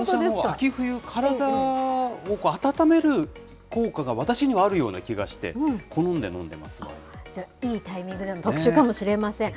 秋冬、体を温める効果が、私にはあるような気がして、じゃあ、いいタイミングでの特集かもしれません。